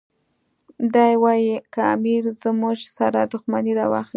دی وایي که امیر زموږ سره دښمني راواخلي.